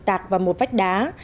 tạc vào một vách đá